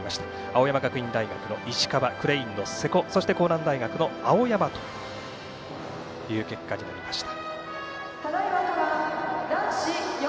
青山学院大学の石川ＣＲＡＮＥの世古そして甲南大学の青山という結果になりました。